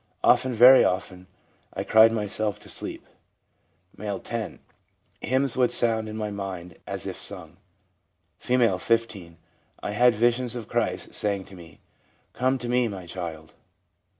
'Often, very often, I cried myself to sleep/ M., 10. * Hymns would sound in my mind as if sung/ F., 15. M had visions of Christ, saying to me, " Come to Me, My child!"